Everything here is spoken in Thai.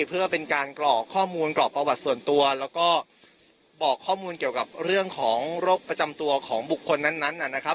เพื่อเป็นการกรอกข้อมูลกรอกประวัติส่วนตัวแล้วก็บอกข้อมูลเกี่ยวกับเรื่องของโรคประจำตัวของบุคคลนั้นนะครับ